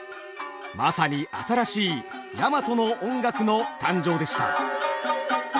まさに新しい大和の音楽の誕生でした。